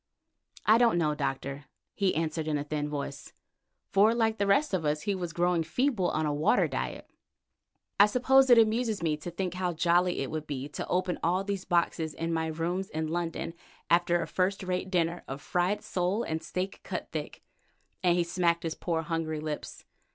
"I don't know, Doctor," he answered in a thin voice, for like the rest of us he was growing feeble on a water diet. "I suppose it amuses me to think how jolly it would be to open all these boxes in my rooms in London after a first rate dinner of fried sole and steak cut thick," and he smacked his poor, hungry lips.